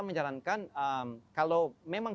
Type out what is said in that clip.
menjalankan kalau memang